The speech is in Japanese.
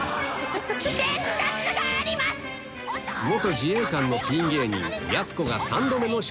自衛官のピン芸人